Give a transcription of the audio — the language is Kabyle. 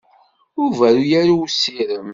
Ur berru ara i usirem.